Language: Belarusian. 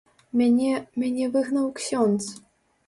Мяне, мяне выгнаў ксёндз.